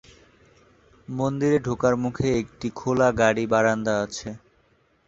মন্দিরে ঢোকার মুখে একটি খোলা গাড়ী-বারান্দা আছে।